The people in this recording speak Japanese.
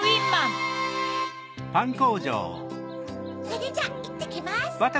それじゃあいってきます。